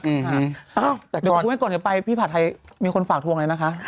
เดี๋ยวครับพี่ขนม็กก่อนจะไปพี่ฉาไทด์มีคนฝากทวงไงนะคะ